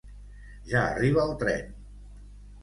Ja arriba el tren!